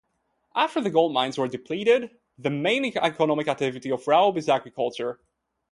After the gold mines were depleted, the main economic activity of Raub is agriculture.